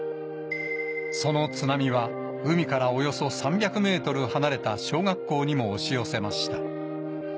その津波は海からおよそ３００ｍ離れた小学校にも押し寄せました。